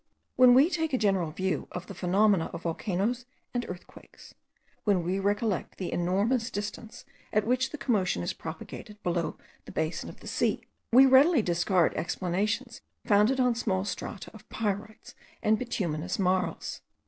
When we take a general view of the phenomena of volcanoes and earthquakes, when we recollect the enormous distance at which the commotion is propagated below the basin of the sea, we readily discard explanations founded on small strata of pyrites and bituminous marls.